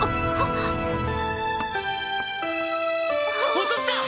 落とした！